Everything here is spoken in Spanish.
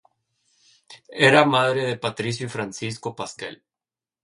Era madre de Patricio y Francisco Pasquel.